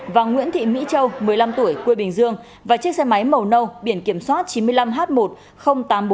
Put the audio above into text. và nguyễn thị mỹ châu một mươi năm tuổi quê bình dương và chiếc xe máy màu nâu biển kiểm soát chín mươi năm h một mươi nghìn tám trăm bốn mươi bốn